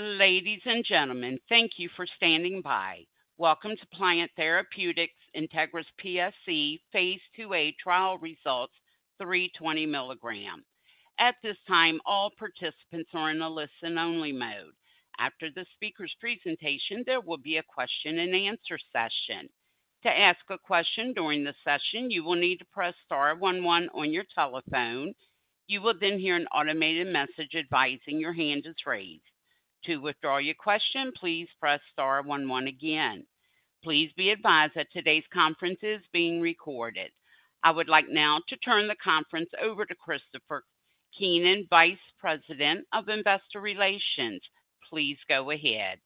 Ladies and gentlemen, thank you for standing by. Welcome to Pliant Therapeutics INTEGRIS-PSC Phase 2a Trial Results, 320 milligram. At this time, all participants are in a listen-only mode. After the speaker's presentation, there will be a question and answer session. To ask a question during the session, you will need to press star one one on your telephone. You will then hear an automated message advising your hand is raised. To withdraw your question, please press star one one again. Please be advised that today's conference is being recorded. I would like now to turn the conference over to Christopher Keenan, Vice President of Investor Relations. Please go ahead.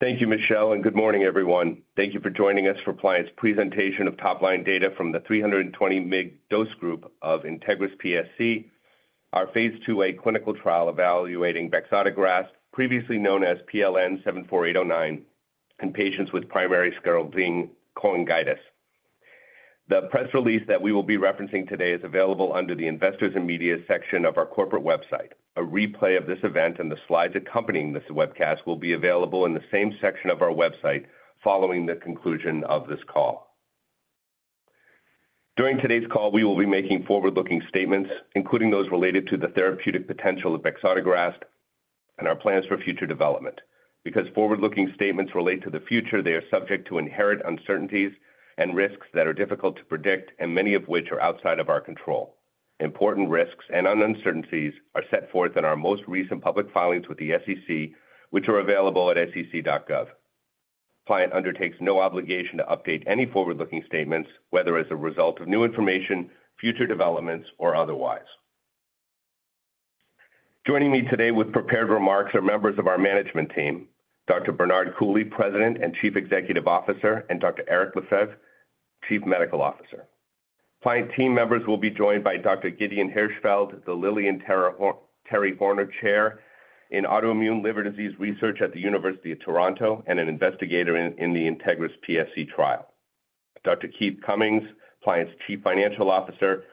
Thank you, Michelle, and good morning, everyone. Thank you for joining us for Pliant's presentation of top-line data from the 320 mg dose group of INTEGRIS-PSC, our phase 2a clinical trial evaluating bexarotegrast, previously known as PLN-74809, in patients with primary sclerosing cholangitis. The press release that we will be referencing today is available under the Investors and Media section of our corporate website. A replay of this event and the slides accompanying this webcast will be available in the same section of our website following the conclusion of this call. During today's call, we will be making forward-looking statements, including those related to the therapeutic potential of bexarotegrast and our plans for future development. Because forward-looking statements relate to the future, they are subject to inherent uncertainties and risks that are difficult to predict and many of which are outside of our control. Important risks and uncertainties are set forth in our most recent public filings with the SEC, which are available at sec.gov. Pliant undertakes no obligation to update any forward-looking statements, whether as a result of new information, future developments, or otherwise. Joining me today with prepared remarks are members of our management team, Dr. Bernard Coulie, President and Chief Executive Officer, and Dr. Eric Lefebvre, Chief Medical Officer. Pliant team members will be joined by Dr. Gideon Hirschfield, the Lily and Terry Horner Chair in Autoimmune Liver Disease Research at the University of Toronto and an investigator in the INTEGRIS-PSC trial. Dr. Keith Cummins, Pliant's Chief Financial Officer,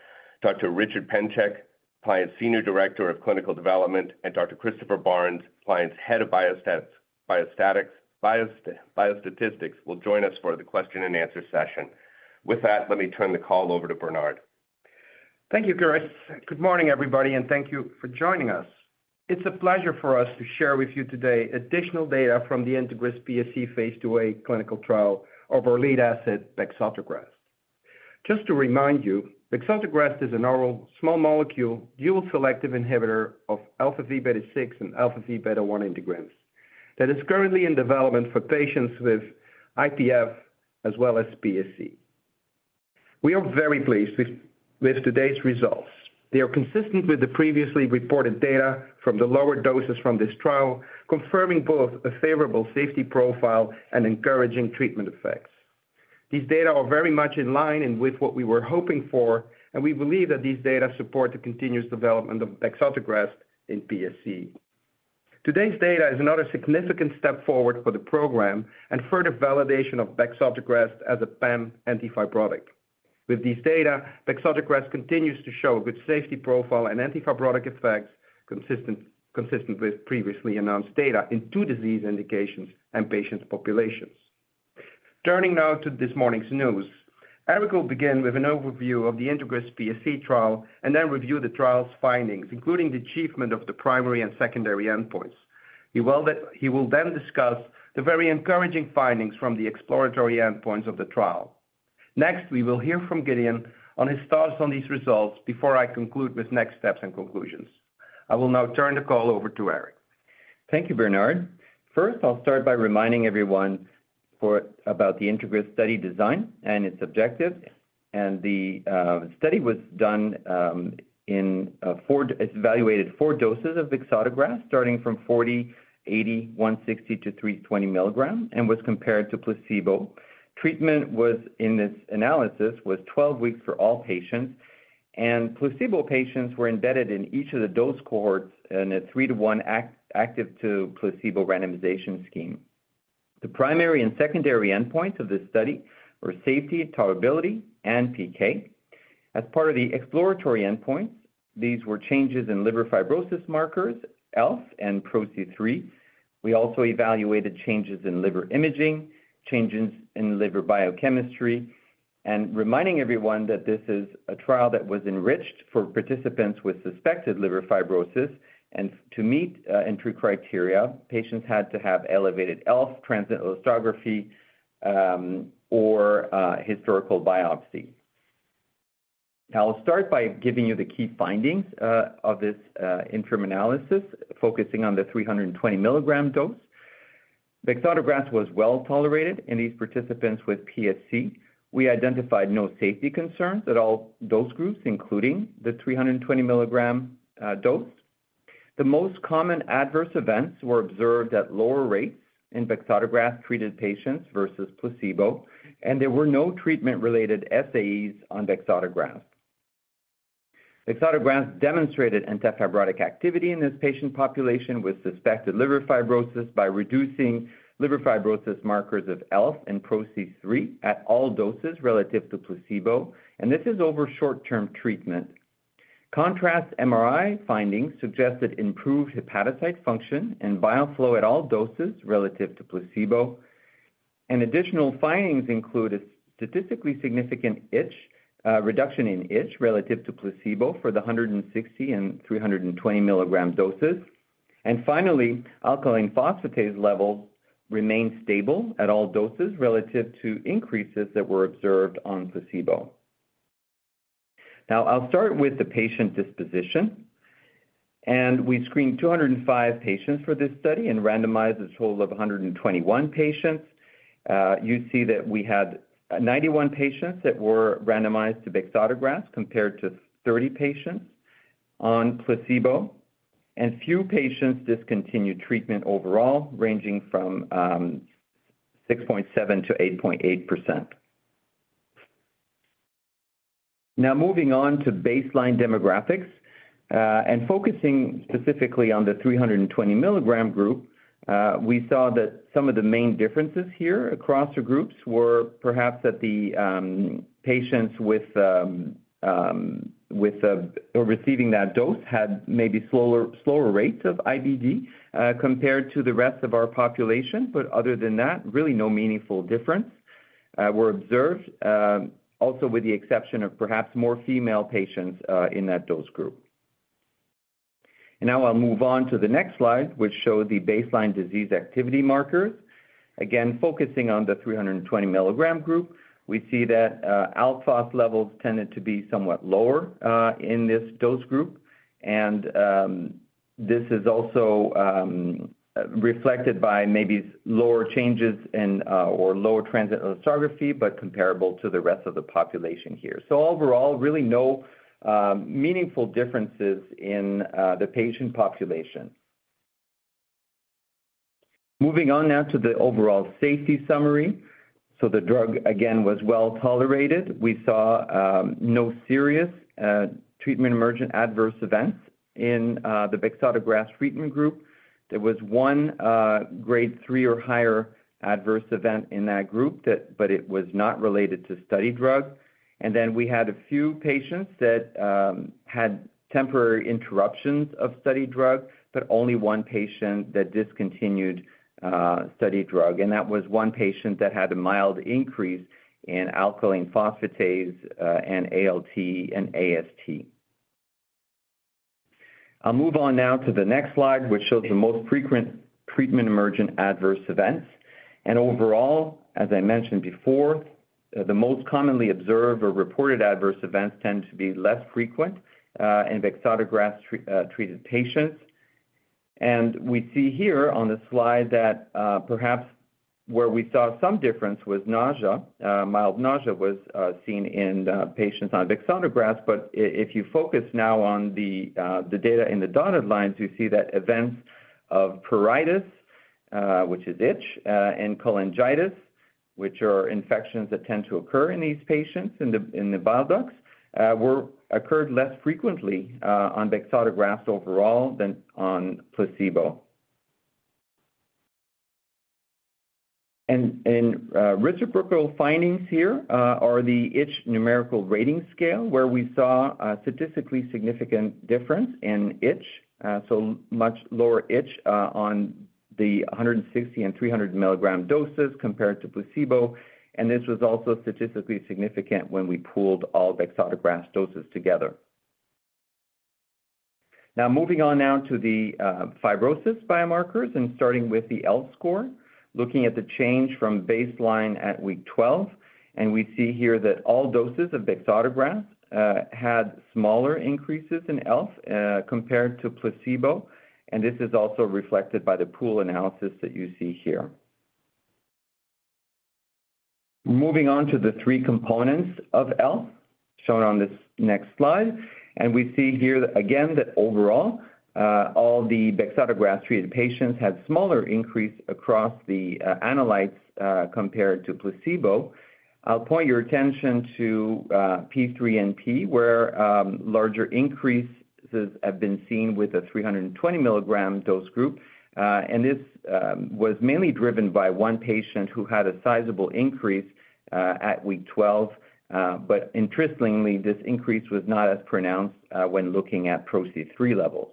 Dr. Richard Penczek, Pliant's Senior Director of Clinical Development, and Dr. Christopher Barnes, Pliant’s Head of Biostatistics, will join us for the question and answer session. With that, let me turn the call over to Bernard. Thank you, Chris. Good morning, everybody, and thank you for joining us. It's a pleasure for us to share with you today additional data from the INTEGRIS-PSC Phase 2a clinical trial of our lead asset, bexarotegrast. Just to remind you, bexarotegrast is an oral small molecule, dual selective inhibitor of alpha v beta 6 and alpha v beta 1 integrins, that is currently in development for patients with IPF as well as PSC. We are very pleased with today's results. They are consistent with the previously reported data from the lower doses from this trial, confirming both a favorable safety profile and encouraging treatment effects. These data are very much in line and with what we were hoping for, and we believe that these data support the continuous development of bexarotegrast in PSC. Today's data is another significant step forward for the program and further validation of bexarotegrast as a PAM antifibrotic. With these data, bexarotegrast continues to show a good safety profile and antifibrotic effects consistent with previously announced data in two disease indications and patient populations. Turning now to this morning's news. Eric will begin with an overview of the INTEGRIS-PSC trial and then review the trial's findings, including the achievement of the primary and secondary endpoints. He will then discuss the very encouraging findings from the exploratory endpoints of the trial. Next, we will hear from Gideon on his thoughts on these results before I conclude with next steps and conclusions. I will now turn the call over to Eric. Thank you, Bernard. First, I'll start by reminding everyone about the INTEGRIS study design and its objective. It evaluated four doses of bexarotegrast, starting from 40, 80, 160 to 320 milligrams, and was compared to placebo. Treatment was, in this analysis, 12 weeks for all patients, and placebo patients were embedded in each of the dose cohorts in a 3 to 1 active to placebo randomization scheme. The primary and secondary endpoints of this study were safety, tolerability, and PK. As part of the exploratory endpoints, these were changes in liver fibrosis markers, ELF and PRO-C3. We also evaluated changes in liver imaging, changes in liver biochemistry, and reminding everyone that this is a trial that was enriched for participants with suspected liver fibrosis, and to meet entry criteria, patients had to have elevated ELF, transient elastography, or a historical biopsy. I'll start by giving you the key findings of this interim analysis, focusing on the 320 milligram dose. Bexarotegrast was well tolerated in these participants with PSC. We identified no safety concerns at all dose groups, including the 320 milligram dose. The most common adverse events were observed at lower rates in bexarotegrast-treated patients versus placebo, and there were no treatment-related SAEs on bexarotegrast. Bexarotegrast demonstrated antifibrotic activity in this patient population with suspected liver fibrosis by reducing liver fibrosis markers of ELF and PRO-C3 at all doses relative to placebo, and this is over short-term treatment. Contrast MRI findings suggested improved hepatocyte function and bile flow at all doses relative to placebo. Additional findings include a statistically significant reduction in itch relative to placebo for the 160 and 320 milligram doses. Finally, alkaline phosphatase levels remained stable at all doses relative to increases that were observed on placebo. Now, I'll start with the patient disposition, and we screened 205 patients for this study and randomized a total of 121 patients. You see that we had 91 patients that were randomized to bexarotegrast, compared to 30 patients on placebo, and few patients discontinued treatment overall, ranging from 6.7%-8.8%. Now, moving on to baseline demographics, and focusing specifically on the 320 milligram group, we saw that some of the main differences here across the groups were perhaps that the patients receiving that dose had maybe slower rates of IBD, compared to the rest of our population. But other than that, really no meaningful difference were observed, also with the exception of perhaps more female patients in that dose group. And now I'll move on to the next slide, which shows the baseline disease activity markers. Again, focusing on the 320 milligram group, we see that ALK phos levels tended to be somewhat lower in this dose group. This is also reflected by maybe lower changes in or lower transient elastography, but comparable to the rest of the population here. Overall, really no meaningful differences in the patient population. Moving on now to the overall safety summary. So the drug, again, was well tolerated. We saw no serious treatment-emergent adverse events in the bexarotegrast treatment group. There was 1 grade 3 or higher adverse event in that group that, but it was not related to study drug. Then we had a few patients that had temporary interruptions of study drug, but only one patient that discontinued study drug, and that was one patient that had a mild increase in alkaline phosphatase and ALT and AST. I'll move on now to the next slide, which shows the most frequent treatment-emergent adverse events. Overall, as I mentioned before, the most commonly observed or reported adverse events tend to be less frequent in bexarotegrast-treated patients. We see here on the slide that perhaps where we saw some difference was nausea. Mild nausea was seen in patients on bexarotegrast. But if you focus now on the data in the dotted lines, you see that events of pruritus, which is itch, and cholangitis, which are infections that tend to occur in these patients in the bile ducts, occurred less frequently on bexarotegrast overall than on placebo. And reciprocal findings here are the itch numerical rating scale, where we saw a statistically significant difference in itch, so much lower itch, on the 160- and 300-milligram doses compared to placebo. And this was also statistically significant when we pooled all bexarotegrast doses together. Now, moving on to the fibrosis biomarkers and starting with the ELF score, looking at the change from baseline at week 12, and we see here that all doses of bexarotegrast had smaller increases in ELF compared to placebo, and this is also reflected by the pooled analysis that you see here. Moving on to the three components of ELF shown on this next slide, and we see here again that overall all the bexarotegrast treated patients had smaller increase across the analytes compared to placebo. I'll point your attention to P3NP, where larger increases have been seen with a 320 milligram dose group. And this was mainly driven by one patient who had a sizable increase at week 12. But interestingly, this increase was not as pronounced when looking at PRO-C3 levels.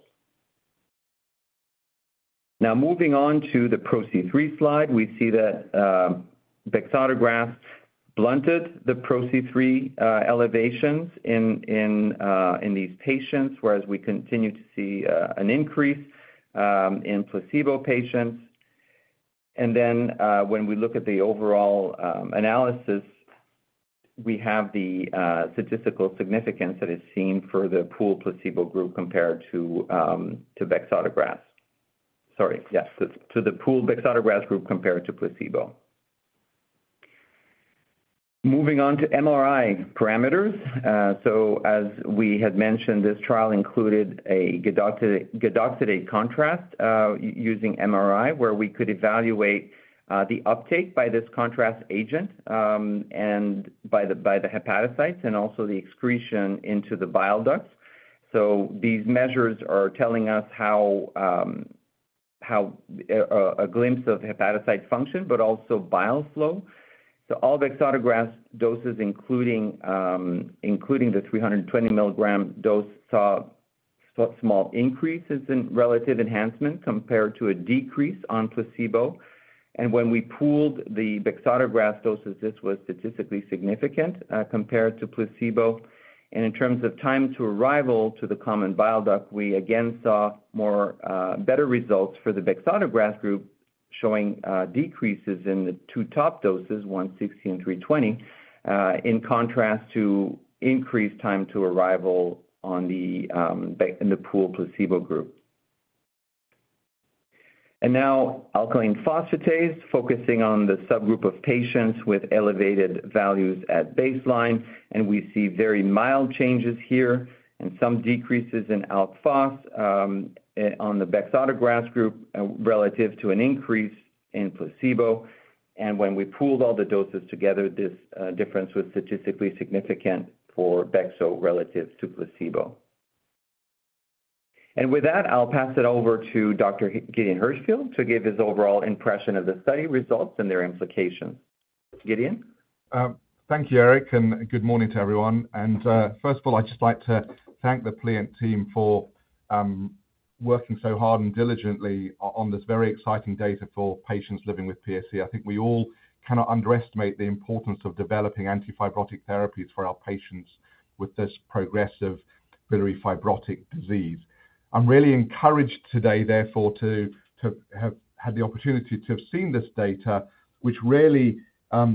Now, moving on to the PRO-C3 slide, we see that bexarotegrast blunted the PRO-C3 elevations in these patients, whereas we continue to see an increase in placebo patients. And then when we look at the overall analysis, we have the statistical significance that is seen for the pooled placebo group compared to bexarotegrast. Sorry. Yes, to the pooled bexarotegrast group compared to placebo. Moving on to MRI parameters. So as we had mentioned, this trial included a gadoxetate contrast using MRI, where we could evaluate the uptake by this contrast agent and by the hepatocytes, and also the excretion into the bile ducts. So these measures are telling us how...... how, a glimpse of hepatocyte function, but also bile flow. So all bexarotegrast doses, including the 300 mg dose, saw small increases in relative enhancement compared to a decrease on placebo. And when we pooled the bexarotegrast doses, this was statistically significant, compared to placebo. And in terms of time to arrival to the common bile duct, we again saw more, better results for the bexarotegrast group, showing decreases in the two top doses, 160 and 320, in contrast to increased time to arrival on the, in the pooled placebo group. And now alkaline phosphatase, focusing on the subgroup of patients with elevated values at baseline, and we see very mild changes here and some decreases in ALK phos, on the bexarotegrast group, relative to an increase in placebo. When we pooled all the doses together, this difference was statistically significant for bexo relative to placebo. With that, I'll pass it over to Dr. Gideon Hirschfield to give his overall impression of the study results and their implications. Gideon? Thank you, Eric, and good morning to everyone. First of all, I'd just like to thank the Pliant team for working so hard and diligently on this very exciting data for patients living with PSC. I think we all cannot underestimate the importance of developing antifibrotic therapies for our patients with this progressive biliary fibrotic disease. I'm really encouraged today, therefore, to have had the opportunity to have seen this data, which really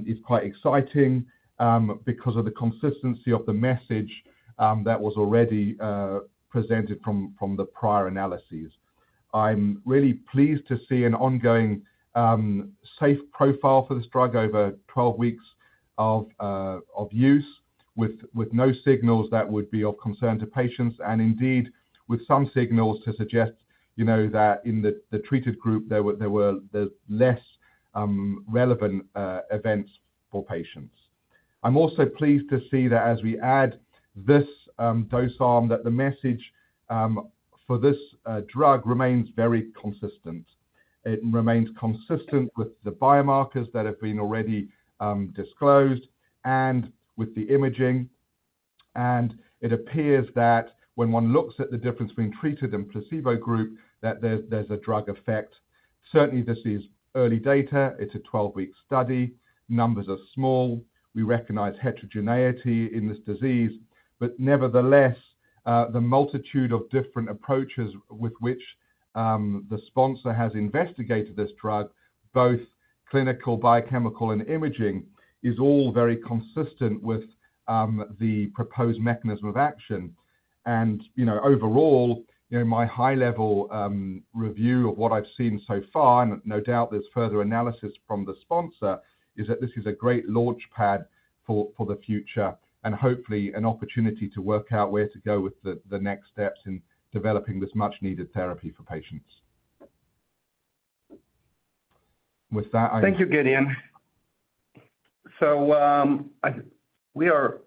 is quite exciting because of the consistency of the message that was already presented from the prior analyses. I'm really pleased to see an ongoing, safe profile for this drug over 12 weeks of use, with no signals that would be of concern to patients, and indeed, with some signals to suggest, you know, that in the treated group, there were the less relevant events for patients. I'm also pleased to see that as we add this dose arm, that the message for this drug remains very consistent. It remains consistent with the biomarkers that have been already disclosed and with the imaging, and it appears that when one looks at the difference between treated and placebo group, that there's a drug effect. Certainly, this is early data. It's a 12-week study. Numbers are small. We recognize heterogeneity in this disease, but nevertheless, the multitude of different approaches with which the sponsor has investigated this drug, both clinical, biochemical, and imaging, is all very consistent with the proposed mechanism of action. You know, overall, you know, my high-level review of what I've seen so far, and no doubt there's further analysis from the sponsor, is that this is a great launchpad for the future and hopefully an opportunity to work out where to go with the next steps in developing this much-needed therapy for patients. With that, I- Thank you, Gideon. So, we are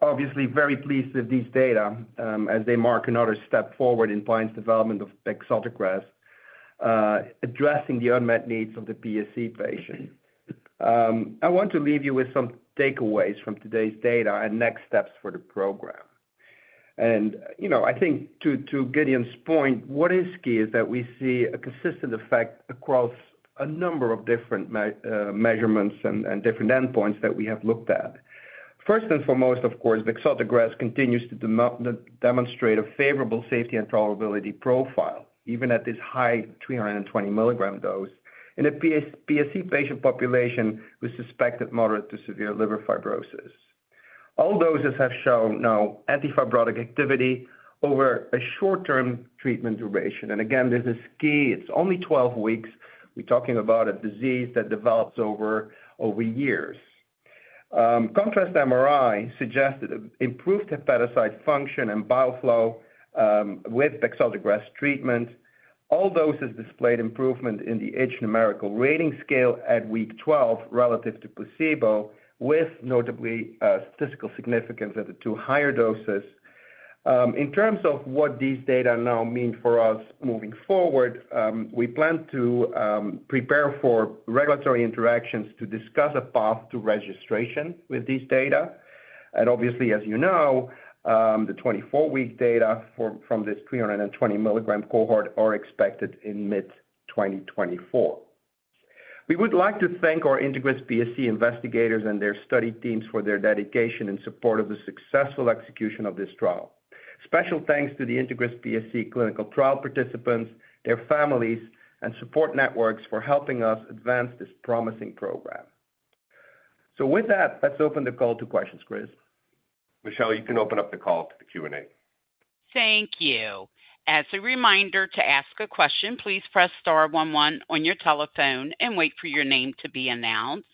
obviously very pleased with these data, as they mark another step forward in Pliant's development of bexarotegrast, addressing the unmet needs of the PSC patient. I want to leave you with some takeaways from today's data and next steps for the program. And, you know, I think to Gideon's point, what is key is that we see a consistent effect across a number of different measurements and different endpoints that we have looked at. First and foremost, of course, bexarotegrast continues to demonstrate a favorable safety and tolerability profile, even at this high 320 mg dose, in a PSC patient population with suspected moderate to severe liver fibrosis. All doses have shown no antifibrotic activity over a short-term treatment duration. And again, this is key. It's only 12 weeks. We're talking about a disease that develops over years. Contrast MRI suggested improved hepatocyte function and bile flow with bexarotegrast treatment. All doses displayed improvement in the itch numerical rating scale at week 12, relative to placebo, with notably statistical significance at the two higher doses. In terms of what these data now mean for us moving forward, we plan to prepare for regulatory interactions to discuss a path to registration with these data. And obviously, as you know, the 24-week data from this 320 milligram cohort are expected in mid-2024. We would like to thank our INTEGRIS-PSC investigators and their study teams for their dedication and support of the successful execution of this trial. Special thanks to the INTEGRIS-PSC clinical trial participants, their families, and support networks for helping us advance this promising program. With that, let's open the call to questions. Chris? Michelle, you can open up the call to the Q&A. Thank you. As a reminder to ask a question, please press star one one on your telephone and wait for your name to be announced.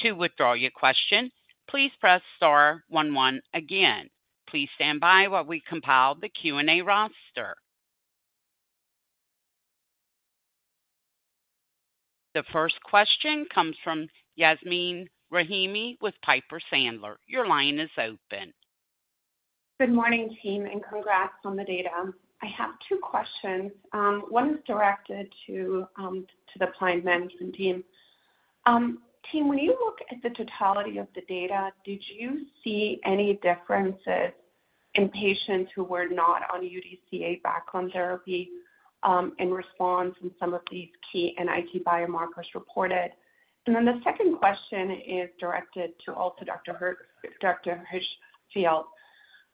To withdraw your question, please press star one one again. Please stand by while we compile the Q&A roster... The first question comes from Yasmin Rahimi with Piper Sandler. Your line is open. Good morning, team, and congrats on the data. I have two questions. One is directed to the Pliant management team. Team, when you look at the totality of the data, did you see any differences in patients who were not on UDCA background therapy, and response in some of these key NIT biomarkers reported? And then the second question is directed to also Dr. Hirschfield.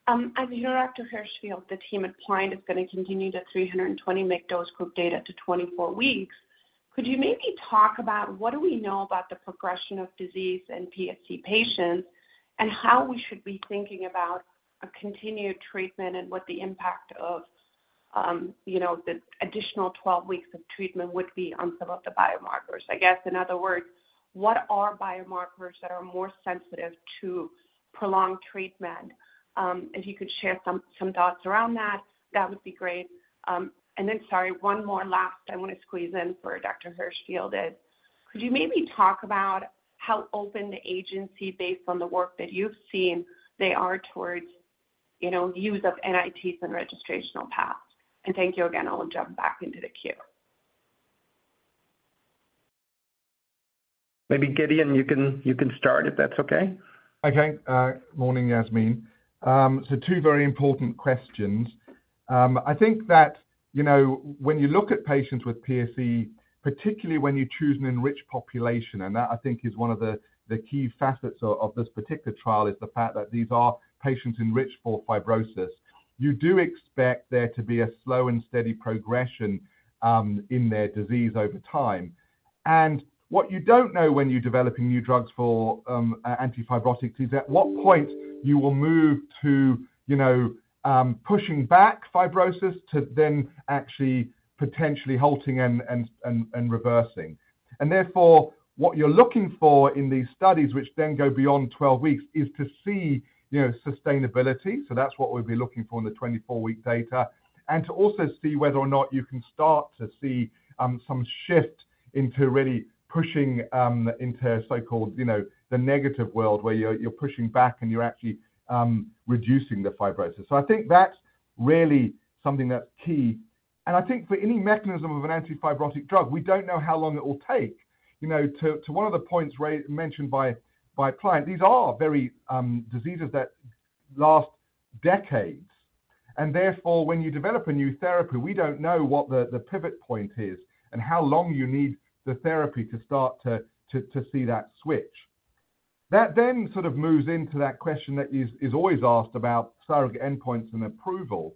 As you know, Dr. Hirschfield, the team at Pliant is going to continue the 320 mg dose group data to 24 weeks. Could you maybe talk about what do we know about the progression of disease in PSC patients and how we should be thinking about a continued treatment and what the impact of, you know, the additional 12 weeks of treatment would be on some of the biomarkers? I guess, in other words, what are biomarkers that are more sensitive to prolonged treatment? If you could share some, some thoughts around that, that would be great. And then, sorry, one more last I want to squeeze in for Dr. Hirschfield is, could you maybe talk about how open the agency, based on the work that you've seen, they are towards, you know, use of NITs and registrational paths? And thank you again. I'll jump back into the queue. Maybe, Gideon, you can start, if that's okay. Okay. Morning, Yasmin. So two very important questions. I think that, you know, when you look at patients with PSC, particularly when you choose an enriched population, and that, I think, is one of the key facets of this particular trial, is the fact that these are patients enriched for fibrosis. You do expect there to be a slow and steady progression in their disease over time. And what you don't know when you're developing new drugs for anti-fibrotics, is at what point you will move to, you know, pushing back fibrosis to then actually potentially halting and reversing. And therefore, what you're looking for in these studies, which then go beyond 12 weeks, is to see, you know, sustainability. So that's what we'll be looking for in the 24-week data, and to also see whether or not you can start to see some shift into really pushing into so-called, you know, the negative world, where you're pushing back and you're actually reducing the fibrosis. So I think that's really something that's key. And I think for any mechanism of an anti-fibrotic drug, we don't know how long it will take. You know, to one of the points raised by Pliant, these are very diseases that last decades, and therefore, when you develop a new therapy, we don't know what the pivot point is and how long you need the therapy to start to see that switch. That then sort of moves into that question that is always asked about surrogate endpoints and approval.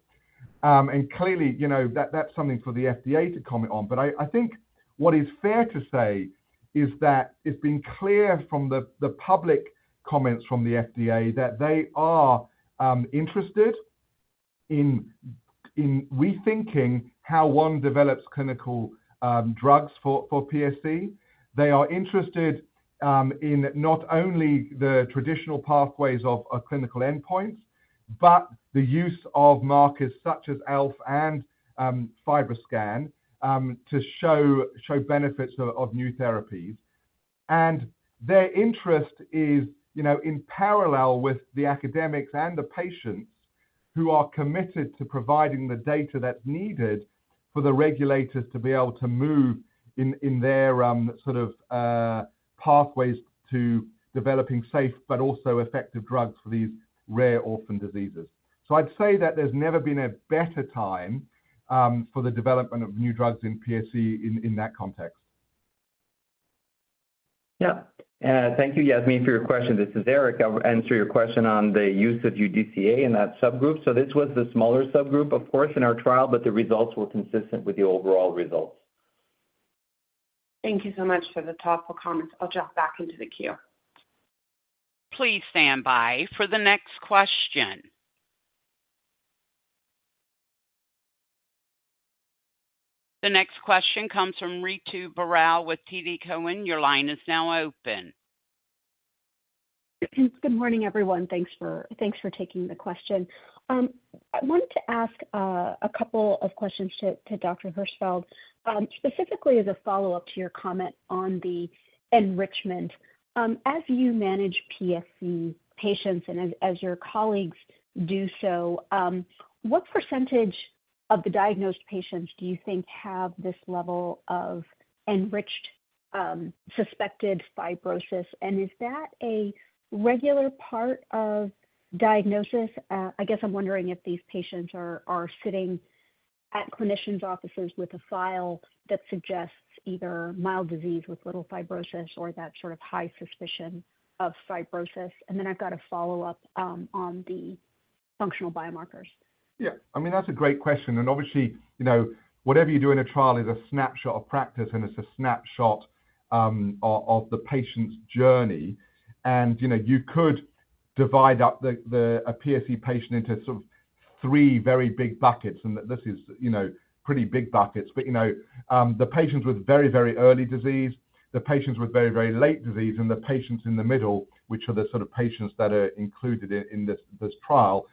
And clearly, you know, that, that's something for the FDA to comment on. But I think what is fair to say is that it's been clear from the public comments from the FDA that they are interested in rethinking how one develops clinical drugs for PSC. They are interested in not only the traditional pathways of a clinical endpoint, but the use of markers such as ELF and FibroScan to show benefits of new therapies. And their interest is, you know, in parallel with the academics and the patients who are committed to providing the data that's needed for the regulators to be able to move in their sort of pathways to developing safe but also effective drugs for these rare orphan diseases. I'd say that there's never been a better time for the development of new drugs in PSC in that context. Yeah. Thank you, Yasmin, for your question. This is Eric. I'll answer your question on the use of UDCA in that subgroup. So this was the smaller subgroup, of course, in our trial, but the results were consistent with the overall results. Thank you so much for the thoughtful comments. I'll jump back into the queue. Please stand by for the next question. The next question comes from Ritu Baral with TD Cowen. Your line is now open. Good morning, everyone. Thanks for, thanks for taking the question. I wanted to ask a couple of questions to Dr. Hirschfield, specifically as a follow-up to your comment on the enrichment. As you manage PSC patients and as your colleagues do so, what percentage of the diagnosed patients do you think have this level of enriched suspected fibrosis? And is that a regular part of diagnosis? I guess I'm wondering if these patients are sitting at clinicians' offices with a file that suggests either mild disease with little fibrosis or that sort of high suspicion of fibrosis. And then I've got a follow-up on the functional biomarkers. Yeah, I mean, that's a great question, and obviously, you know, whatever you do in a trial is a snapshot of practice, and it's a snapshot of the patient's journey. And, you know, you could divide up a PSC patient into sort of three very big buckets, and this is, you know, pretty big buckets. But, you know, the patients with very, very early disease, the patients with very, very late disease, and the patients in the middle, which are the sort of patients that are included in this trial.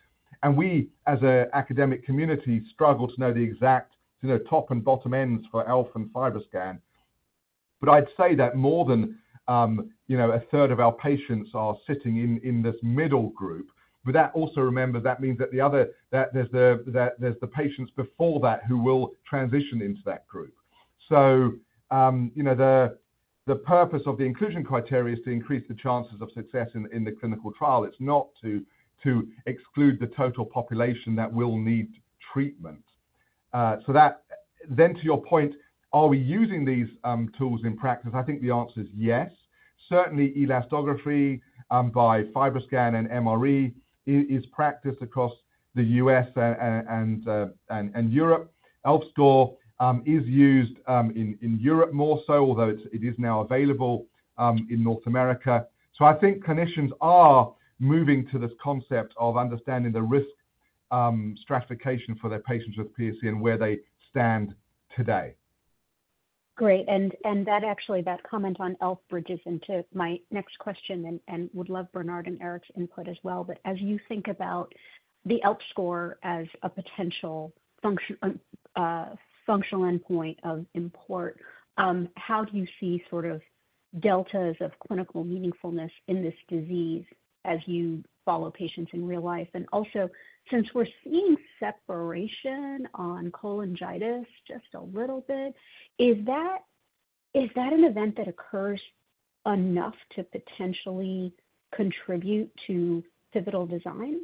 And we, as an academic community, struggle to know the exact, you know, top and bottom ends for ELF and FibroScan. But I'd say that more than a third of our patients are sitting in this middle group. But remember, that means that the other, that there's the patients before that who will transition into that group. So, you know, the purpose of the inclusion criteria is to increase the chances of success in the clinical trial. It's not to exclude the total population that will need treatment. So, then to your point, are we using these tools in practice? I think the answer is yes. Certainly, elastography by FibroScan and MRE is practiced across the U.S. and Europe. ELF Score is used in Europe more so, although it is now available in North America. So I think clinicians are moving to this concept of understanding the risk stratification for their patients with PSC and where they stand today. Great. And that actually, that comment on ELF bridges into my next question, and would love Bernard and Eric's input as well. But as you think about the ELF score as a potential functional endpoint of import, how do you see sort of deltas of clinical meaningfulness in this disease as you follow patients in real life? And also, since we're seeing separation on cholangitis just a little bit, is that an event that occurs enough to potentially contribute to pivotal design?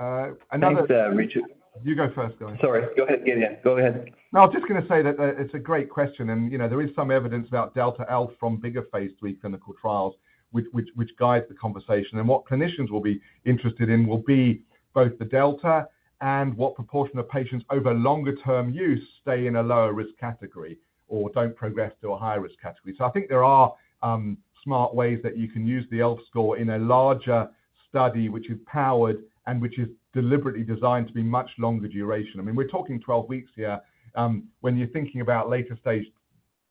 Uh, another- Thanks, Richard. You go first, guys. Sorry. Go ahead, Gideon. Go ahead. No, I was just gonna say that, it's a great question, and, you know, there is some evidence about delta ELF from bigger Phase 2 clinical trials, which guides the conversation. And what clinicians will be interested in will be both the delta and what proportion of patients over longer-term use stay in a lower-risk category or don't progress to a high-risk category. So I think there are smart ways that you can use the ELF score in a larger study, which is powered and which is deliberately designed to be much longer duration. I mean, we're talking 12 weeks here. When you're thinking about later-stage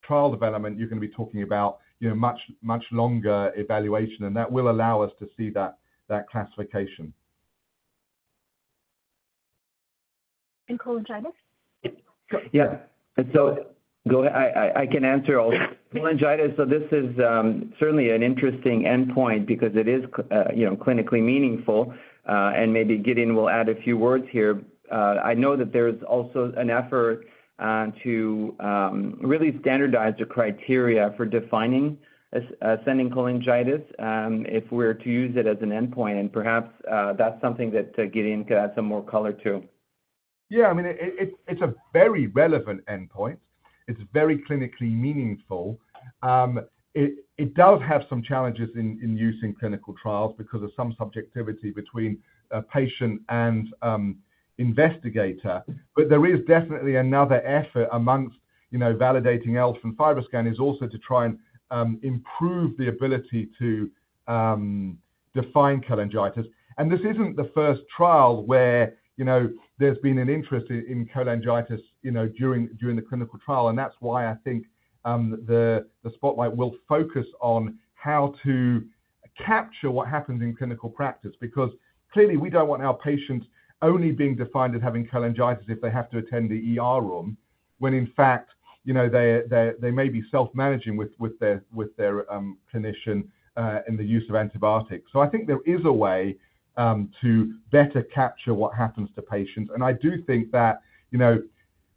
trial development, you're gonna be talking about, you know, much, much longer evaluation, and that will allow us to see that classification. And cholangitis? Yeah. Go ahead. I can answer all. Cholangitis, so this is certainly an interesting endpoint because it is clinically meaningful, you know, and maybe Gideon will add a few words here. I know that there's also an effort to really standardize the criteria for defining ascending cholangitis, if we're to use it as an endpoint, and perhaps that's something that Gideon could add some more color to. Yeah, I mean, it's a very relevant endpoint. It's very clinically meaningful. It does have some challenges in use in clinical trials because of some subjectivity between a patient and investigator. But there is definitely another effort amongst, you know, validating ELF from FibroScan, is also to try and improve the ability to define cholangitis. And this isn't the first trial where, you know, there's been an interest in cholangitis, you know, during the clinical trial, and that's why I think the spotlight will focus on how to capture what happens in clinical practice. Because clearly, we don't want our patients only being defined as having cholangitis if they have to attend the ER room, when in fact, you know, they may be self-managing with their clinician in the use of antibiotics. So I think there is a way to better capture what happens to patients. And I do think that, you know,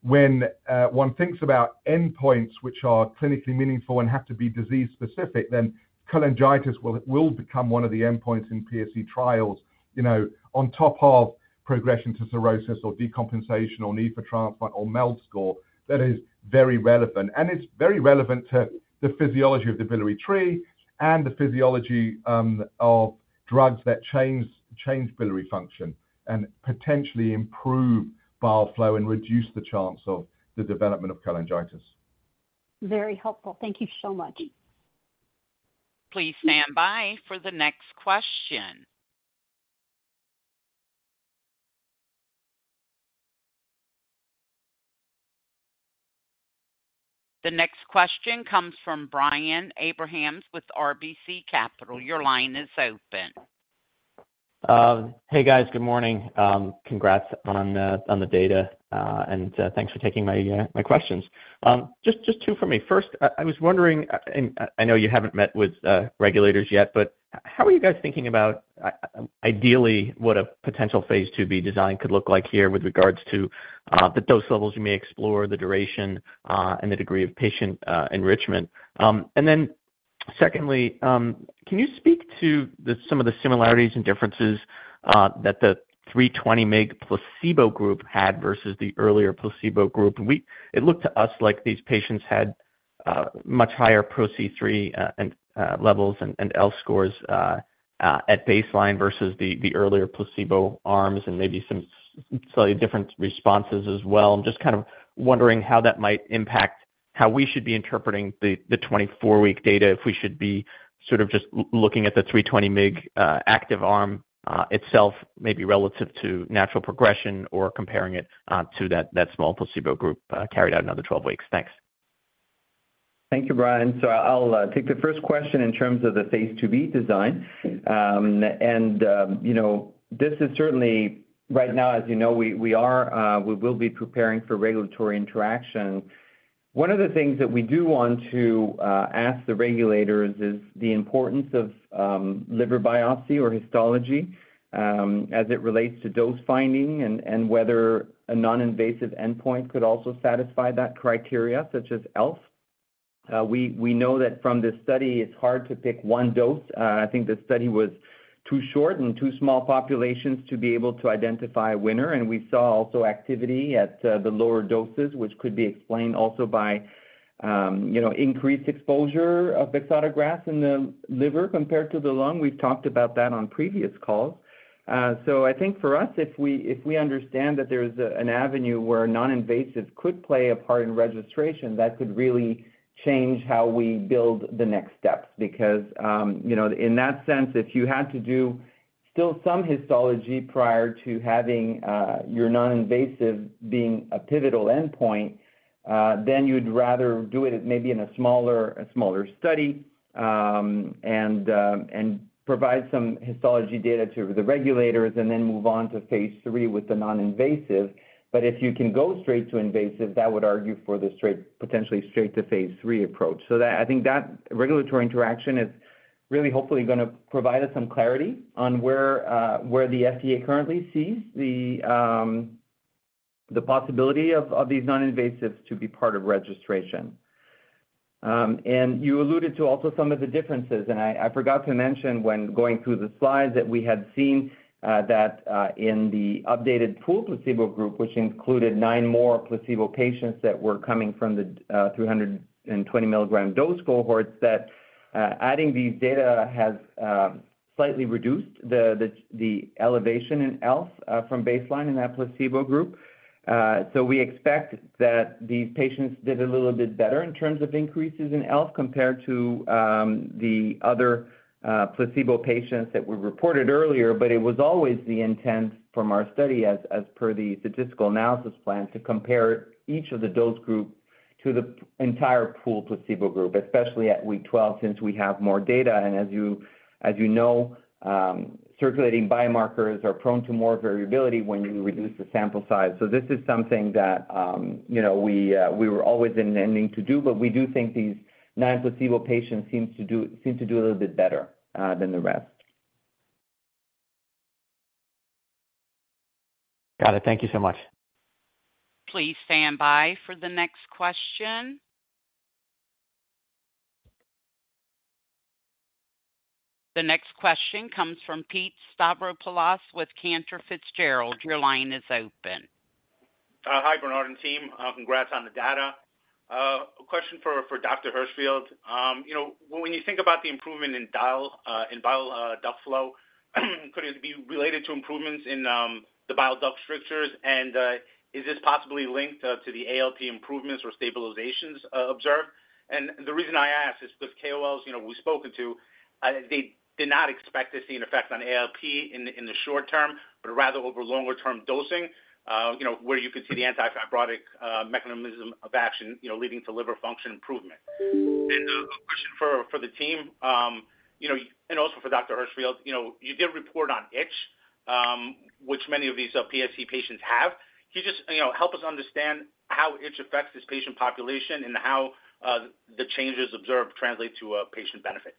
when one thinks about endpoints which are clinically meaningful and have to be disease specific, then cholangitis will become one of the endpoints in PSC trials, you know, on top of progression to cirrhosis or decompensation or need for transplant or MELD score. That is very relevant, and it's very relevant to the physiology of the biliary tree and the physiology of drugs that change biliary function and potentially improve bile flow and reduce the chance of the development of cholangitis. Very helpful. Thank you so much. Please stand by for the next question. The next question comes from Brian Abrahams with RBC Capital. Your line is open. Hey, guys. Good morning. Congrats on the data, and thanks for taking my questions. Just two for me. First, I was wondering, and I know you haven't met with regulators yet, but how are you guys thinking about, ideally, what a potential phase IIb design could look like here with regards to the dose levels you may explore, the duration, and the degree of patient enrichment? And then secondly, can you speak to some of the similarities and differences that the 320 mg placebo group had versus the earlier placebo group? It looked to us like these patients had much higher PRO-C3 levels and ELF scores at baseline versus the earlier placebo arms, and maybe some slightly different responses as well. I'm just kind of wondering how that might impact how we should be interpreting the 24-week data, if we should be sort of just looking at the 320 mg active arm itself, maybe relative to natural progression or comparing it to that small placebo group carried out another 12 weeks. Thanks. ...Thank you, Brian. So I'll take the first question in terms of the phase 2b design. You know, this is certainly right now, as you know, we will be preparing for regulatory interaction. One of the things that we do want to ask the regulators is the importance of liver biopsy or histology as it relates to dose finding and whether a non-invasive endpoint could also satisfy that criteria, such as ELF. We know that from this study, it's hard to pick one dose. I think the study was too short and too small populations to be able to identify a winner. And we saw also activity at the lower doses, which could be explained also by you know, increased exposure of bexarotegrast in the liver compared to the lung. We've talked about that on previous calls. So I think for us, if we, if we understand that there's an avenue where non-invasive could play a part in registration, that could really change how we build the next steps. Because, you know, in that sense, if you had to do still some histology prior to having your non-invasive being a pivotal endpoint, then you'd rather do it maybe in a smaller, a smaller study, and, and provide some histology data to the regulators and then move on to phase III with the non-invasive. But if you can go straight to invasive, that would argue for the straight, potentially straight to phase III approach. So that, I think that regulatory interaction is really hopefully going to provide us some clarity on where, where the FDA currently sees the, the possibility of, of these non-invasives to be part of registration. And you alluded to also some of the differences, and I forgot to mention when going through the slides, that we had seen, that, in the updated pooled placebo group, which included 9 more placebo patients that were coming from the, 320 milligram dose cohorts, that, adding these data has, slightly reduced the, the, the elevation in ELF, from baseline in that placebo group. So we expect that these patients did a little bit better in terms of increases in ELF compared to, the other, placebo patients that were reported earlier. But it was always the intent from our study, as per the statistical analysis plan, to compare each of the dose group to the entire pooled placebo group, especially at week 12, since we have more data. And as you, as you know, circulating biomarkers are prone to more variability when you reduce the sample size. So this is something that, you know, we were always intending to do, but we do think these non-placebo patients seem to do a little bit better than the rest. Got it. Thank you so much. Please stand by for the next question. The next question comes from Pete Stavropoulos with Cantor Fitzgerald. Your line is open. Hi, Bernard and team. Congrats on the data. A question for Dr. Hirschfield. You know, when you think about the improvement in bile, in bile duct flow, could it be related to improvements in the bile duct strictures? And is this possibly linked to the ALP improvements or stabilizations observed? And the reason I ask is because KOLs, you know, we've spoken to, they did not expect to see an effect on ALP in the short term, but rather over longer term dosing, you know, where you could see the anti-fibrotic mechanism of action, you know, leading to liver function improvement. And a question for the team, you know, and also for Dr. Hirschfield. You know, you did report on itch, which many of these PSC patients have. Can you just, you know, help us understand how itch affects this patient population and how, the changes observed translate to a patient benefit?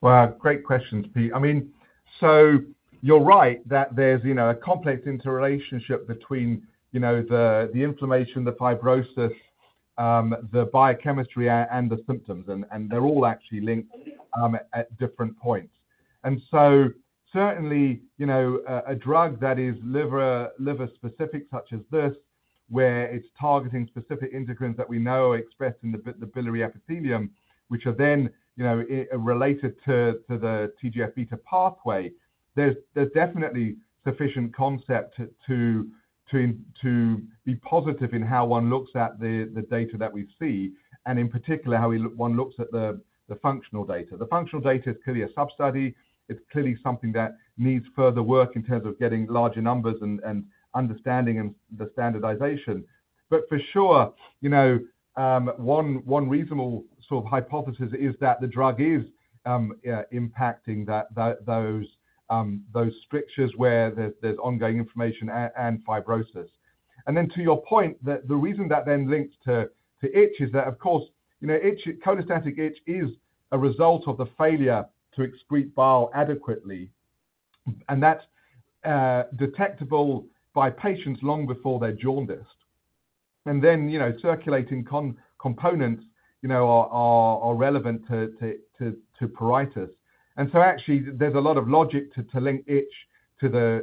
Well, great questions, Pete. I mean, so you're right that there's, you know, a complex interrelationship between the inflammation, the fibrosis, the biochemistry, and the symptoms, and they're all actually linked at different points. And so certainly, you know, a drug that is liver specific, such as this, where it's targeting specific integrins that we know are expressed in the biliary epithelium, which are then, you know, related to the TGF-beta pathway. There's definitely sufficient concept to be positive in how one looks at the data that we see, and in particular, how we look... one looks at the functional data. The functional data is clearly a substudy. It's clearly something that needs further work in terms of getting larger numbers and understanding and the standardization. But for sure, you know, one reasonable sort of hypothesis is that the drug is impacting that, those strictures where there's ongoing inflammation and fibrosis. And then to your point, that the reason that then links to itch is that, of course, you know, itch, cholestatic itch is a result of the failure to excrete bile adequately, and that's detectable by patients long before they're jaundiced. And then, you know, circulating components, you know, are relevant to pruritus. And so actually, there's a lot of logic to link itch to the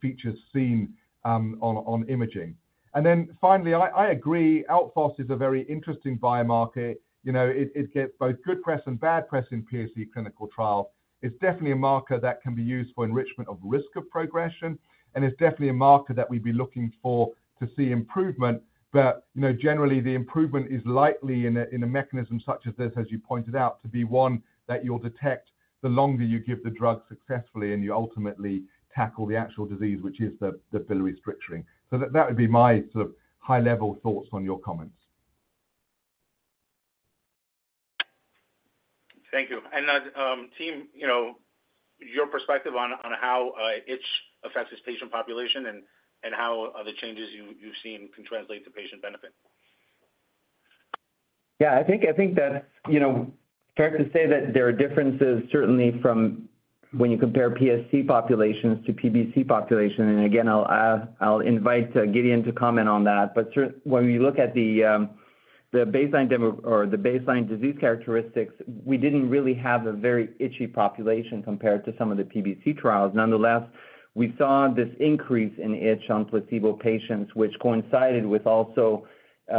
features seen on imaging. And then finally, I agree, ELF is a very interesting biomarker. You know, it gets both good press and bad press in PSC clinical trial. It's definitely a marker that can be used for enrichment of risk of progression, and it's definitely a marker that we'd be looking for to see improvement. But, you know, generally, the improvement is likely in a mechanism such as this, as you pointed out, to be one that you'll detect the longer you give the drug successfully and you ultimately tackle the actual disease, which is the biliary stricturing. So that would be my sort of high-level thoughts on your comments.... Thank you. And, team, you know, your perspective on how itch affects this patient population and how are the changes you've seen can translate to patient benefit? Yeah, I think, I think that, you know, fair to say that there are differences, certainly from when you compare PSC populations to PBC population. And again, I'll, I'll invite Gideon to comment on that. But when we look at the baseline demo or the baseline disease characteristics, we didn't really have a very itchy population compared to some of the PBC trials. Nonetheless, we saw this increase in itch on placebo patients, which coincided with also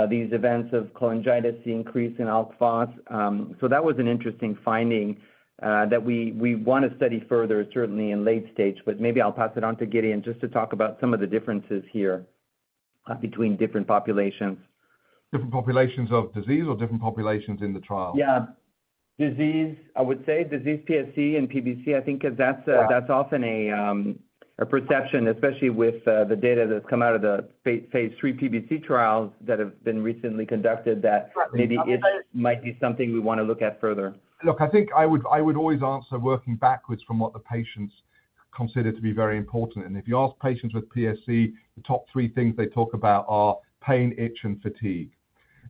these events of cholangitis, the increase in ALK phos. So that was an interesting finding that we, we wanna study further, certainly in late stage. But maybe I'll pass it on to Gideon, just to talk about some of the differences here between different populations. Different populations of disease or different populations in the trial? Yeah. Disease, I would say disease, PSC and PBC, I think, 'cause that's, Yeah... that's often a perception, especially with the data that's come out of the phase III PBC trials that have been recently conducted, that maybe it might be something we wanna look at further. Look, I think I would, I would always answer working backwards from what the patients consider to be very important. And if you ask patients with PSC, the top three things they talk about are pain, itch, and fatigue.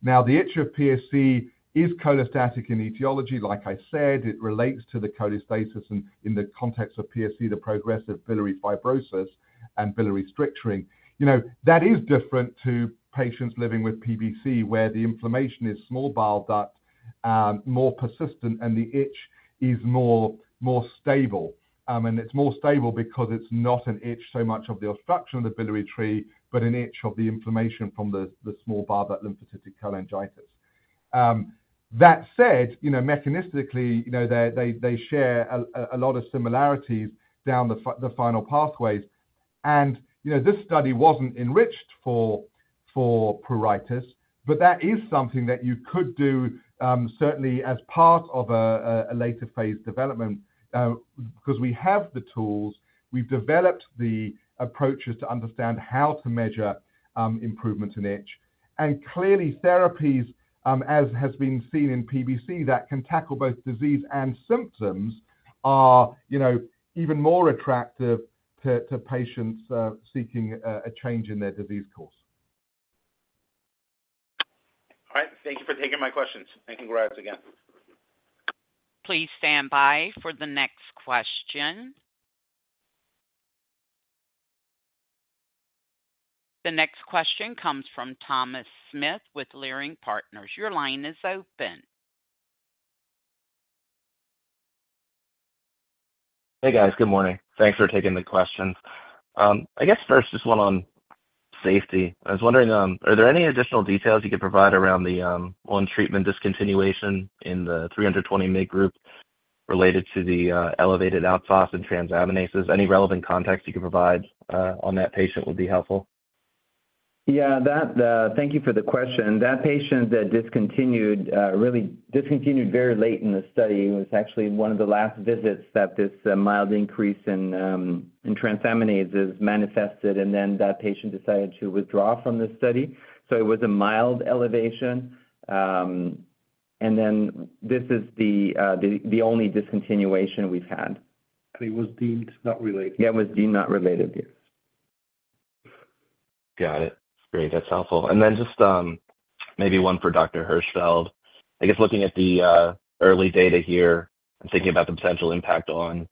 Now, the itch of PSC is cholestatic in etiology. Like I said, it relates to the cholestasis in the context of PSC, the progressive biliary fibrosis and biliary stricturing. You know, that is different to patients living with PBC, where the inflammation is small bile duct, more persistent, and the itch is more stable. And it's more stable because it's not an itch, so much of the obstruction of the biliary tree, but an itch of the inflammation from the small bile duct lymphocytic cholangitis. That said, you know, mechanistically, you know, they share a lot of similarities down the final pathways. You know, this study wasn't enriched for pruritus, but that is something that you could do, certainly as part of a later phase development, 'cause we have the tools. We've developed the approaches to understand how to measure improvement in itch. And clearly, therapies, as has been seen in PBC, that can tackle both disease and symptoms are, you know, even more attractive to patients seeking a change in their disease course. All right. Thank you for taking my questions. Thank you, congrats again. Please stand by for the next question. The next question comes from Thomas Smith with Leerink Partners. Your line is open. Hey, guys. Good morning. Thanks for taking the questions. I guess first, just one on safety. I was wondering, are there any additional details you could provide around the, on treatment discontinuation in the 320 mg group related to the, elevated ALK phos and transaminases? Any relevant context you can provide, on that patient would be helpful. Yeah, that... Thank you for the question. That patient that discontinued really discontinued very late in the study, was actually one of the last visits that this mild increase in transaminases manifested, and then that patient decided to withdraw from the study. So it was a mild elevation. And then this is the only discontinuation we've had. It was deemed not related. Yeah, it was deemed not related, yes. Got it. Great. That's helpful. And then just, maybe one for Dr. Hirschfield. I guess looking at the, early data here and thinking about the potential impact on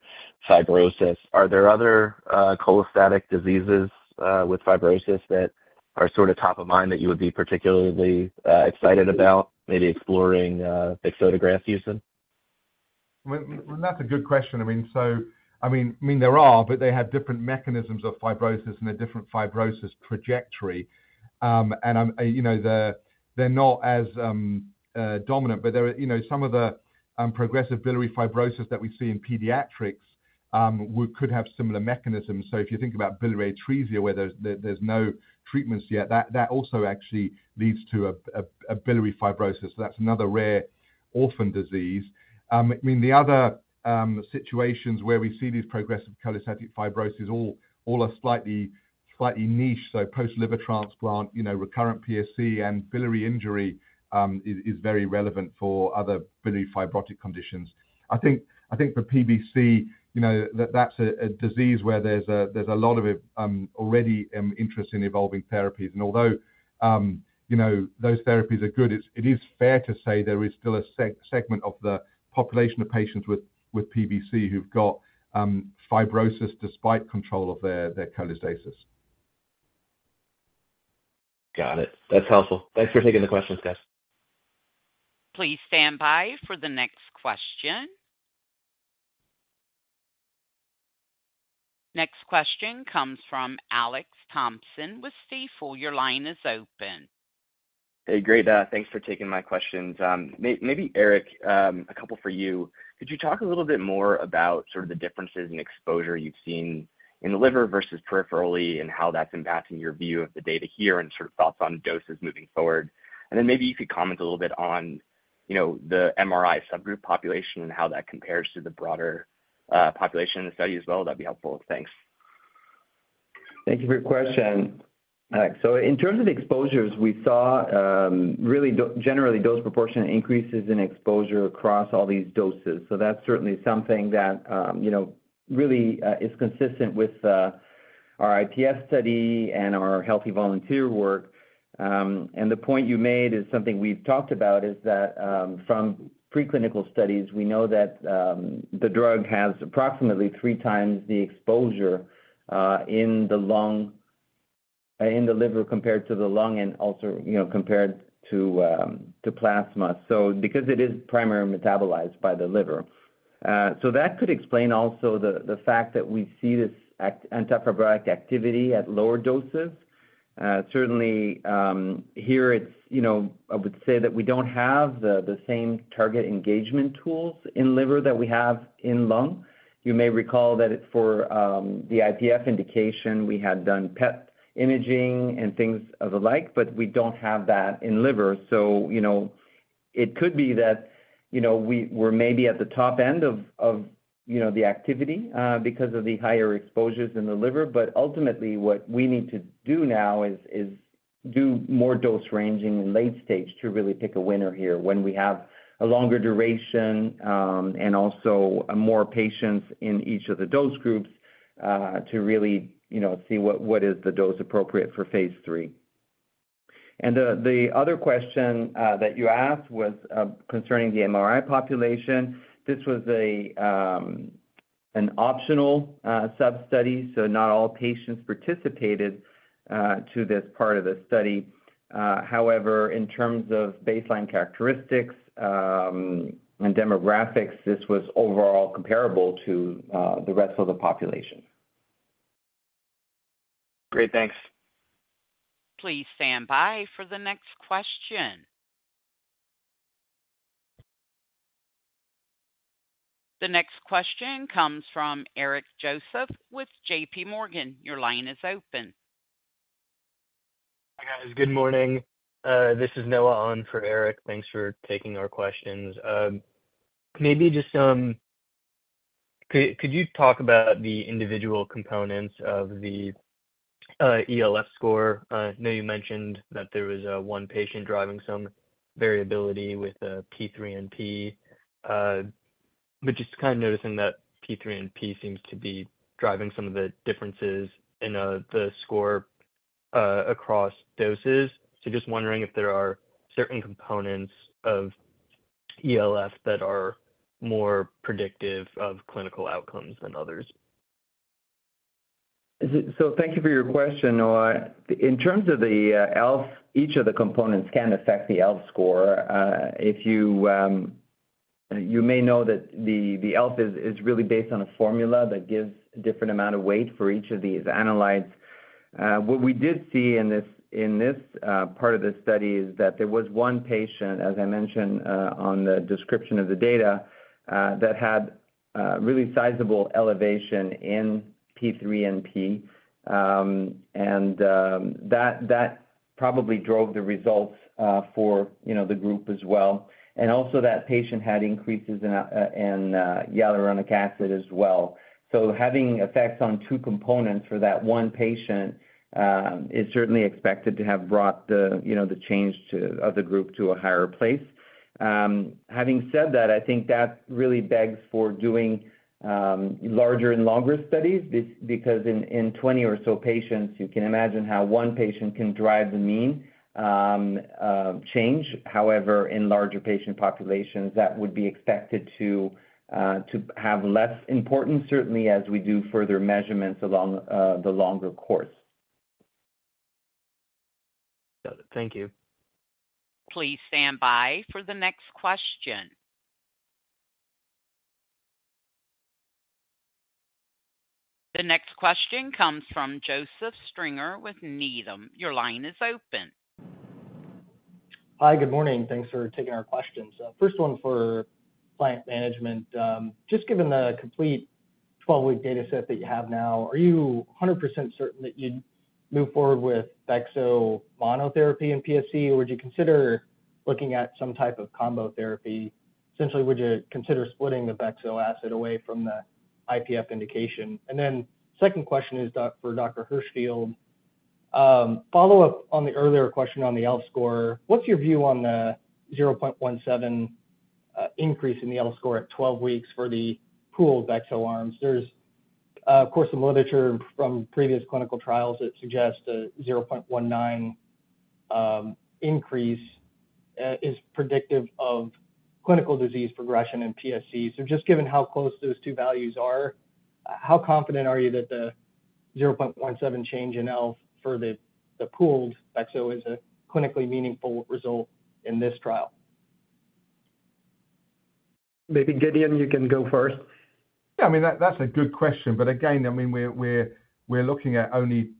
fibrosis, are there other, cholestatic diseases, with fibrosis that are sort of top of mind that you would be particularly, excited about, maybe exploring, bexarotegrast use in? Well, well, that's a good question. I mean, so, I mean, there are, but they have different mechanisms of fibrosis and a different fibrosis trajectory. And, you know, they're not as dominant, but there are, you know, some of the progressive biliary fibrosis that we see in pediatrics, we could have similar mechanisms. So if you think about biliary atresia, where there's no treatments yet, that also actually leads to a biliary fibrosis. So that's another rare orphan disease. I mean, the other situations where we see these progressive cholestatic fibrosis, all are slightly niche. So post-liver transplant, you know, recurrent PSC and biliary injury is very relevant for other biliary fibrotic conditions. I think for PBC, you know, that's a disease where there's a lot of already interest in evolving therapies. And although you know, those therapies are good, it is fair to say there is still a segment of the population of patients with PBC who've got fibrosis despite control of their cholestasis. Got it. That's helpful. Thanks for taking the questions, guys. Please stand by for the next question. Next question comes from Alex Thompson with Stifel. Your line is open. Hey, great. Thanks for taking my questions. Maybe, Eric, a couple for you. Could you talk a little bit more about sort of the differences in exposure you've seen in the liver versus peripherally, and how that's impacting your view of the data here, and sort of thoughts on doses moving forward? And then maybe if you could comment a little bit on, you know, the MRI subgroup population and how that compares to the broader population in the study as well, that'd be helpful. Thanks. Thank you for your question. So in terms of the exposures, we saw really generally dose-proportional increases in exposure across all these doses. So that's certainly something that you know really is consistent with our IPF study and our healthy volunteer work. And the point you made is something we've talked about, is that from preclinical studies, we know that the drug has approximately three times the exposure in the lung in the liver compared to the lung and also you know compared to plasma. So because it is primarily metabolized by the liver. So that could explain also the fact that we see this antifibrotic activity at lower doses. Certainly, here it's, you know, I would say that we don't have the same target engagement tools in liver that we have in lung. You may recall that it for the IPF indication, we had done PET imaging and things of the like, but we don't have that in liver. So you know, it could be that, you know, we're maybe at the top end of the activity because of the higher exposures in the liver. But ultimately, what we need to do now is do more dose ranging in late stage to really pick a winner here when we have a longer duration, and also more patients in each of the dose groups to really, you know, see what is the dose appropriate for Phase III. The other question that you asked was concerning the MRI population. This was an optional substudy, so not all patients participated to this part of the study. However, in terms of baseline characteristics and demographics, this was overall comparable to the rest of the population. Great. Thanks. Please stand by for the next question. The next question comes from Eric Joseph with JPMorgan. Your line is open. Hi, guys. Good morning. This is Noah on for Eric. Thanks for taking our questions. Maybe just could you talk about the individual components of the ELF score? I know you mentioned that there was one patient driving some variability with P3NP. But just kind of noticing that P3NP seems to be driving some of the differences in the score across doses. So just wondering if there are certain components of ELF that are more predictive of clinical outcomes than others. So thank you for your question, Noah. In terms of the ELF, each of the components can affect the ELF score. If you may know that the ELF is really based on a formula that gives a different amount of weight for each of these analytes. What we did see in this part of the study is that there was one patient, as I mentioned, on the description of the data, that had really sizable elevation in P3NP, and that probably drove the results, for you know the group as well. And also, that patient had increases in hyaluronic acid as well. So having effects on two components for that one patient is certainly expected to have brought the, you know, the change to, of the group to a higher place. Having said that, I think that really begs for doing larger and longer studies, because in 20 or so patients, you can imagine how one patient can drive the mean change. However, in larger patient populations, that would be expected to to have less importance, certainly as we do further measurements along the longer course. Thank you. Please stand by for the next question. The next question comes from Joseph Stringer with Needham. Your line is open. Hi, good morning. Thanks for taking our questions. First one for Pliant management. Just given the complete 12-week data set that you have now, are you 100% certain that you'd move forward with bexarotegrast monotherapy in PSC, or would you consider looking at some type of combo therapy? Essentially, would you consider splitting the bexarotegrast away from the IPF indication? And then second question is for Dr. Hirschfield. Follow-up on the earlier question on the ELF score. What's your view on the 0.17 increase in the ELF score at 12 weeks for the pooled bexarotegrast arms? There's, of course, some literature from previous clinical trials that suggest a 0.19 increase is predictive of clinical disease progression in PSC.So just given how close those two values are, how confident are you that the 0.17 change in ELF for the pooled bexo is a clinically meaningful result in this trial? Maybe, Gideon, you can go first. Yeah, I mean, that's a good question. But again, I mean, we're looking at only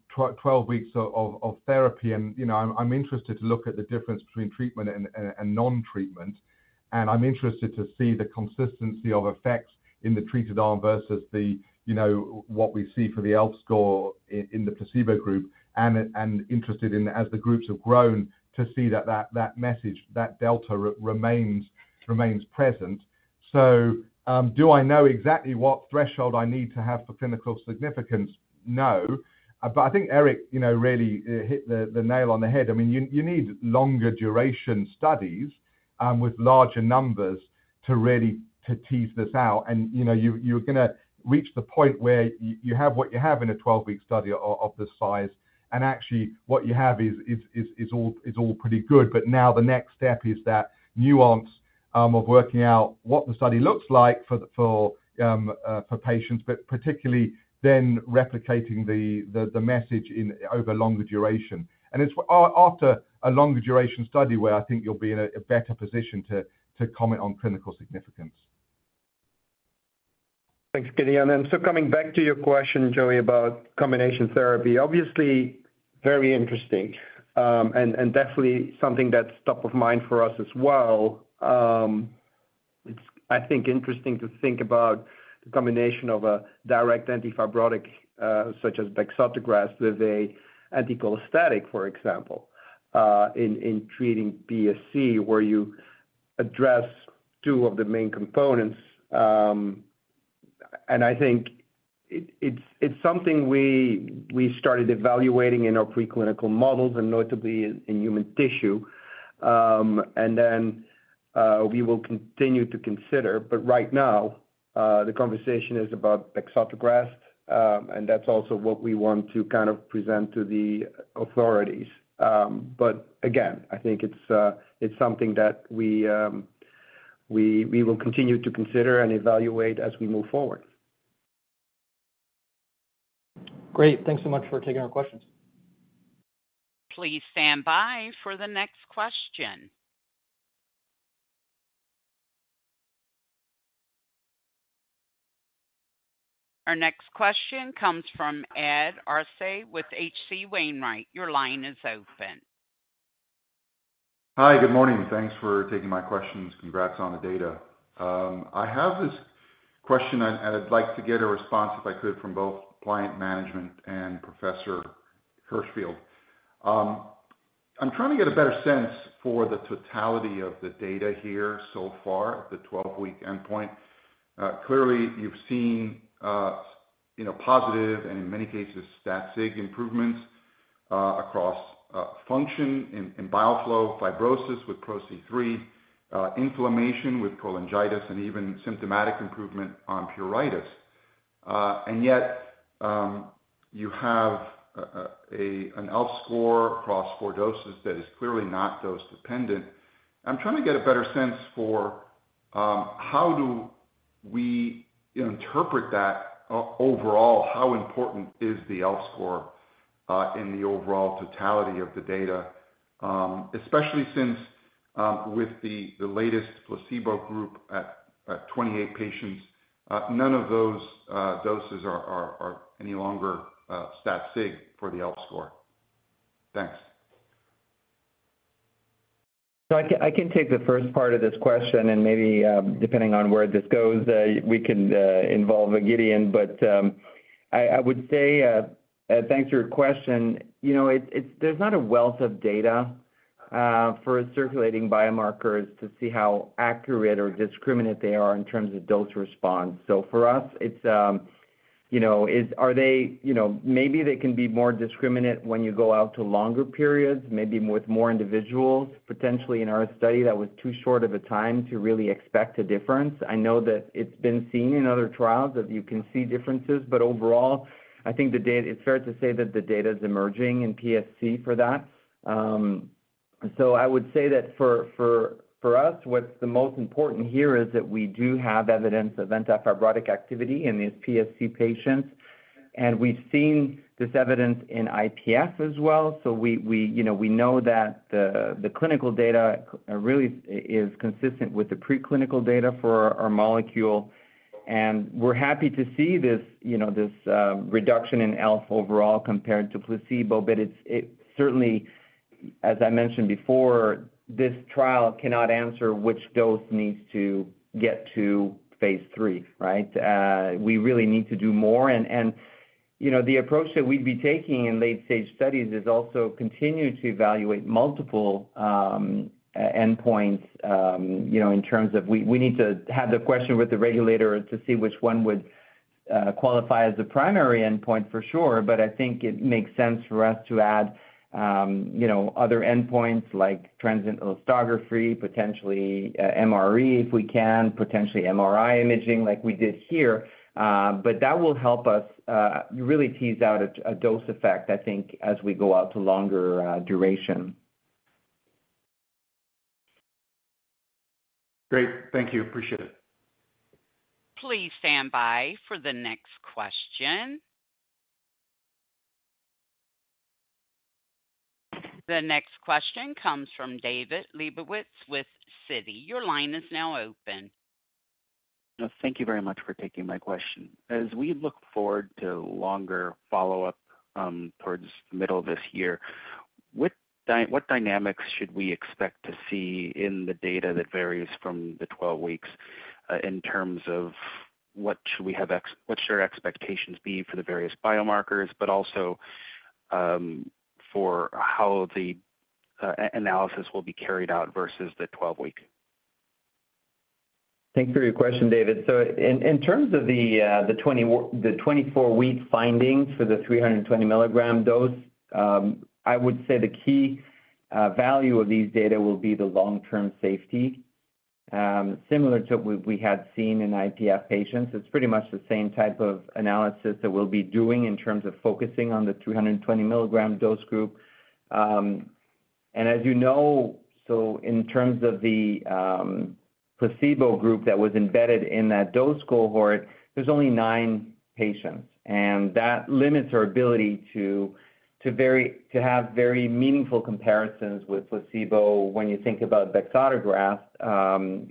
12 weeks of therapy, and, you know, I'm interested to look at the difference between treatment and non-treatment. And I'm interested to see the consistency of effects in the treated arm versus the, you know, what we see for the ELF score in the placebo group, and interested in, as the groups have grown, to see that message, that delta remains present. So, do I know exactly what threshold I need to have for clinical significance? No. But I think Eric, you know, really hit the nail on the head. I mean, you need longer duration studies with larger numbers to really tease this out. You know, you're gonna reach the point where you have what you have in a 12-week study of this size. And actually, what you have is all pretty good. But now the next step is that nuance of working out what the study looks like for the patients, but particularly then replicating the message in over longer duration. And it's after a longer duration study, where I think you'll be in a better position to comment on clinical significance. Thanks, Gideon. And so coming back to your question, Joey, about combination therapy, obviously very interesting, and definitely something that's top of mind for us as well. It's, I think, interesting to think about the combination of a direct antifibrotic, such as bexarotegrast, with an anti-cholestatic, for example, in treating PSC, where you address two of the main components. And I think it's something we started evaluating in our preclinical models and notably in human tissue. And then we will continue to consider, but right now the conversation is about bexarotegrast, and that's also what we want to kind of present to the authorities. But again, I think it's something that we will continue to consider and evaluate as we move forward. Great. Thanks so much for taking our questions. Please stand by for the next question. Our next question comes from Ed Arce with H.C. Wainwright. Your line is open. Hi, good morning. Thanks for taking my questions. Congrats on the data. I have this question, and I'd like to get a response, if I could, from both Pliant management and Professor Hirschfield. I'm trying to get a better sense for the totality of the data here so far, the 12-week endpoint. Clearly, you've seen, you know, positive and in many cases, stat sig improvements, across function in bile flow, fibrosis with PRO-C3, inflammation with cholangitis, and even symptomatic improvement on pruritus. And yet, you have an ELF score across four doses that is clearly not dose dependent. I'm trying to get a better sense for how do we interpret that overall, how important is the ELF score in the overall totality of the data? Especially since, with the latest placebo group at 28 patients, none of those doses are any longer stat sig for the ELF score. Thanks. So I can, I can take the first part of this question, and maybe, depending on where this goes, we can involve Gideon. But, I, I would say, Ed, thanks for your question. You know, it's. There's not a wealth of data for circulating biomarkers to see how accurate or discriminate they are in terms of dose response. So for us, it's, you know, Are they, you know, maybe they can be more discriminate when you go out to longer periods, maybe with more individuals. Potentially in our study, that was too short of a time to really expect a difference. I know that it's been seen in other trials, that you can see differences. But overall, I think the data. It's fair to say that the data is emerging in PSC for that. So I would say that for us, what's the most important here is that we do have evidence of antifibrotic activity in these PSC patients, and we've seen this evidence in IPF as well. So we you know we know that the clinical data really is consistent with the preclinical data for our molecule. And we're happy to see this you know this reduction in ELF overall compared to placebo. But it certainly, as I mentioned before, this trial cannot answer which dose needs to get to phase three, right? We really need to do more. And, you know, the approach that we'd be taking in late-stage studies is also continue to evaluate multiple, endpoints, you know, in terms of we need to have the question with the regulator to see which one would qualify as the primary endpoint for sure. But I think it makes sense for us to add, you know, other endpoints like transient elastography, potentially, MRE, if we can, potentially MRI imaging, like we did here. But that will help us really tease out a dose effect, I think, as we go out to longer duration. Great. Thank you. Appreciate it. Please stand by for the next question. The next question comes from David Lebowitz with Citi. Your line is now open.... Thank you very much for taking my question. As we look forward to longer follow-up, towards the middle of this year, what dynamics should we expect to see in the data that varies from the 12 weeks, in terms of what should our expectations be for the various biomarkers, but also, for how the analysis will be carried out versus the 12-week? Thanks for your question, David. So in terms of the 24-week findings for the 320 milligram dose, I would say the key value of these data will be the long-term safety, similar to what we had seen in IPF patients. It's pretty much the same type of analysis that we'll be doing in terms of focusing on the 320 milligram dose group. And as you know, so in terms of the placebo group that was embedded in that dose cohort, there's only nine patients, and that limits our ability to have very meaningful comparisons with placebo when you think about bexarotegrast.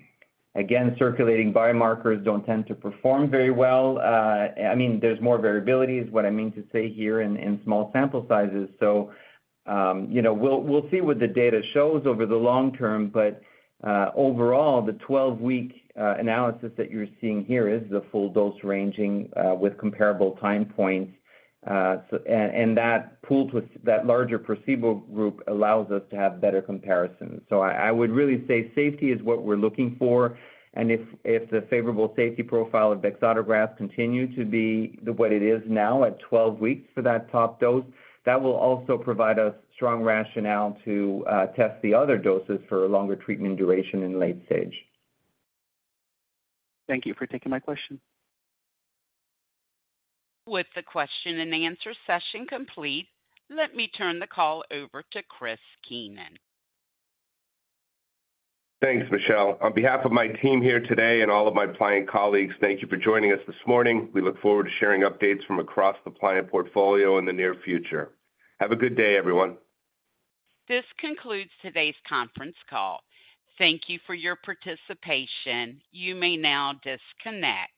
Again, circulating biomarkers don't tend to perform very well. I mean, there's more variability is what I mean to say here in small sample sizes. So, you know, we'll, we'll see what the data shows over the long term, but, overall, the 12-week analysis that you're seeing here is the full dose ranging with comparable time points. So, and, and that pooled with that larger placebo group allows us to have better comparisons. So I, I would really say safety is what we're looking for, and if, if the favorable safety profile of bexarotegrast continues to be what it is now at 12 weeks for that top dose, that will also provide us strong rationale to test the other doses for a longer treatment duration in late stage. Thank you for taking my question. With the question and answer session complete, let me turn the call over to Chris Keenan. Thanks, Michelle. On behalf of my team here today and all of my Pliant colleagues, thank you for joining us this morning. We look forward to sharing updates from across the Pliant portfolio in the near future. Have a good day, everyone. This concludes today's conference call. Thank you for your participation. You may now disconnect.